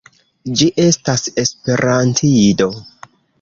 Ĝi estas esperantido.